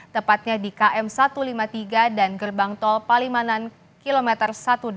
tepatnya di km satu ratus lima puluh tiga dan gerbang tol palimanan kilometer satu ratus delapan puluh